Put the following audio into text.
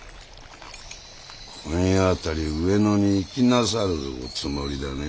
今夜あたり上野に行きなさるおつもりだね？